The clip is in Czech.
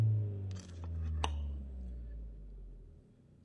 Sicilského a sám se nechal místo něj korunovat.